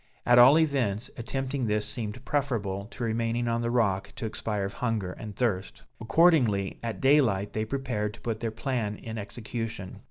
At all events, attempting this seemed preferable to remaining on the rock to expire of hunger and thirst. Accordingly, at daylight they prepared to put their plan in execution.